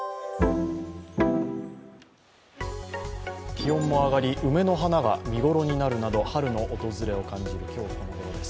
気温も上がり梅の花が見頃になるなど春の訪れを感じる今日このごろです。